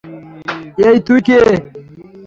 এই তু্ই কে?